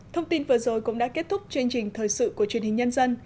thông tin vừa rồi cũng đã kết thúc chương trình thời sự của truyền hình nhân dân